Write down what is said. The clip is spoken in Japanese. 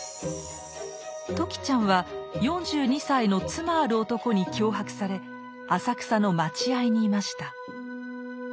時ちゃんは４２歳の妻ある男に脅迫され浅草の待合にいました。